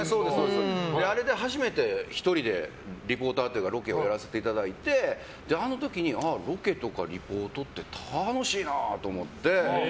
あれで初めて１人でリポーターというかロケをやらせていただいてあの時にああ、ロケとかリポートって楽しいなと思って。